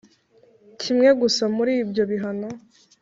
Kimwe gusa muri ibyo bihano